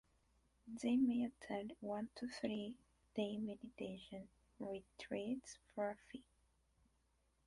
They may attend one to three day meditation retreats for a fee.